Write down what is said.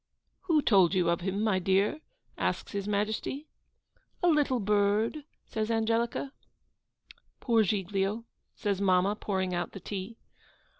'Who told you of him, my dear?' asks His Majesty. 'A little bird,' says Angelica. 'Poor Giglio!' says mamma, pouring out the tea.